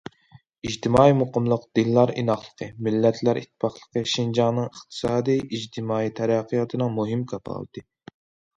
ئىجتىمائىي مۇقىملىق، دىنلار ئىناقلىقى، مىللەتلەر ئىتتىپاقلىقى شىنجاڭنىڭ ئىقتىسادىي، ئىجتىمائىي تەرەققىياتىنىڭ مۇھىم كاپالىتى.